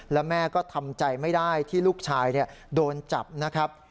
แล้วแม่ก็ทำใจไม่ได้ที่ลูกชายโดนจับนะครับ